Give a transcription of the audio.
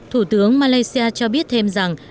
thủ tướng malaysia cho biết thêm rằng